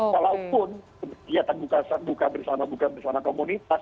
walaupun kegiatan buka buka bersama buka bersama komunitas